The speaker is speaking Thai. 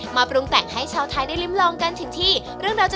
มาปรุงแต่งให้ชาวไทยได้ริมลองกันถึงที่